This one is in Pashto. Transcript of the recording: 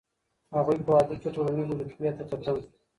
هغوی په واده کي ټولنیزې رتبې ته کتل.